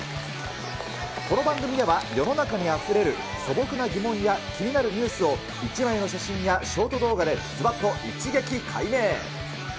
この番組では、世の中にあふれる素朴な疑問や気になるニュースを１枚の写真やショート動画でずばっと一撃解明。